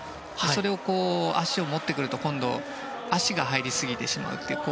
それを足を持ってくると今度、足が入りすぎてしまう。